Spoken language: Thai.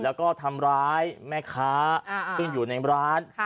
แล้วก็ทำร้ายแม่ค้าซึ่งอยู่ในร้าน